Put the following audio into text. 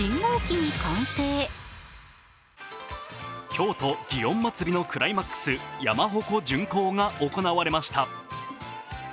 今日と祇園祭のクライマックス山鉾巡行が行われました。